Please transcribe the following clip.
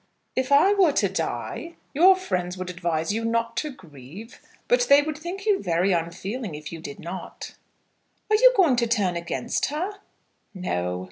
"If I were to die, your friends would advise you not to grieve; but they would think you very unfeeling if you did not." "Are you going to turn against her?" "No."